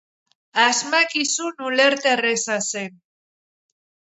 Asmakizun ulerterraza zen.